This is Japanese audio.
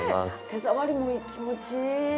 手触りも気持ちいい。